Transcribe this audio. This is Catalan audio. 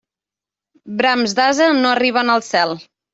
Brams d'ase no arriben al cel.